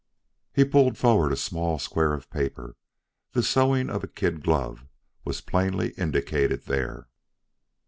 He pulled forward a small square of paper; the sewing of a kid glove was plainly indicated there.